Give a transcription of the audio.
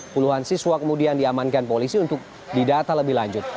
puluhan siswa kemudian diamankan polisi untuk didata lebih lanjut